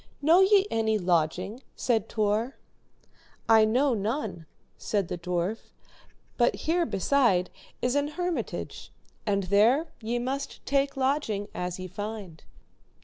Know ye any lodging? said Tor. I know none, said the dwarf, but here beside is an hermitage, and there ye must take lodging as ye find.